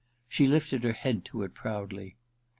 She lifted her head to it proudly.